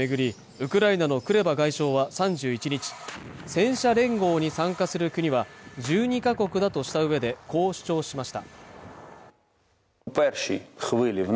ウクライナのクレバ外相は３１日戦車連合に参加する国は１２か国だとしたうえでこう主張しました